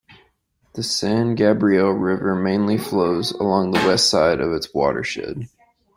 The San Gabriel River mainly flows along the west side of its watershed.